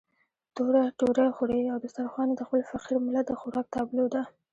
توره ډوډۍ خوري او دسترخوان يې د خپل فقير ملت د خوراک تابلو ده.